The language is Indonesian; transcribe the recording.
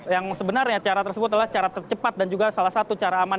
yang sebenarnya cara tersebut adalah cara tercepat dan juga salah satu cara aman